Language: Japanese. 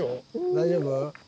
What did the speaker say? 大丈夫？